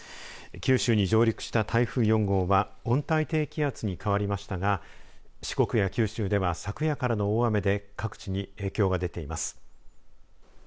九州に上陸した台風４号は温帯低気圧に変わりましたが四国や九州では昨夜からの大雨で各地に影響が出ています。